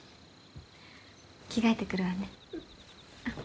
着替えてくるわね。